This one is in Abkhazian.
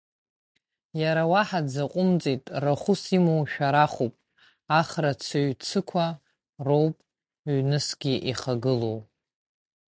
Иара уаҳа дзаҟәымҵит, рахәыс имоу шәарахуп, ахра цыҩцықәа роуп ҩнысгьы ихагылоу.